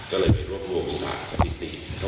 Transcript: ก็เลยไปรวบรวมสถานที่สถิติ